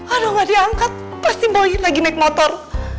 aduh gak diangkat pasti bayi lagi naik motor